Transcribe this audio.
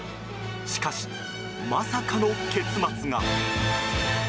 しかし、まさかの結末が。